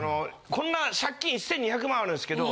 こんな借金１２００万あるんですけど。